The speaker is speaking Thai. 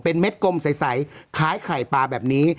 เม็ดกลมใสคล้ายไข่ปลาแบบนี้